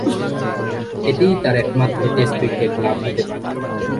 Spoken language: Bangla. এটিই তার একমাত্র টেস্ট উইকেট লাভ হতে পারতো।